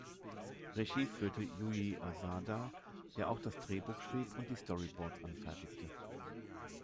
Regie führte Yūji Asada, der auch das Drehbuch schrieb und die Storyboards anfertigte.